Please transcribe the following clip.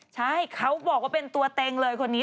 ใช่เขาบอกว่าเป็นตัวเต็งเลยคนนี้